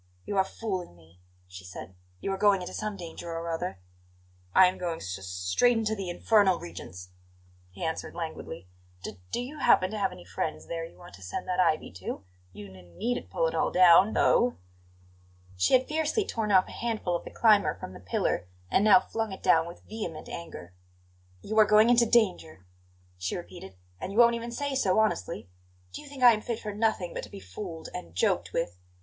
"You are fooling me," she said. "You are going into some danger or other." "I'm going s s straight into the infernal regions," he answered languidly. "D do you happen to have any friends there you want to send that ivy to? You n needn't pull it all down, though." She had fiercely torn off a handful of the climber from the pillar, and now flung it down with vehement anger. "You are going into danger," she repeated; "and you won't even say so honestly! Do you think I am fit for nothing but to be fooled and joked with?